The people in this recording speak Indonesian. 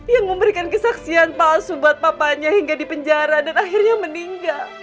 yang memberikan kesaksian palsu buat papanya hingga di penjara dan akhirnya meninggal